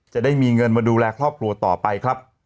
จะได้มีเงินมาดูแลครอบครัวต่อไปครับ